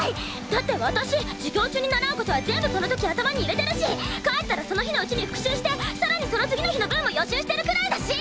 だって私授業中に習う事は全部その時頭に入れてるし帰ったらその日のうちに復習してさらにその次の日の分も予習してるくらいだし！